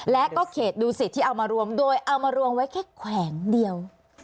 และก็เขตดูสิตที่เอามารวมโดยเอามารวมไว้แค่แขวงเดียว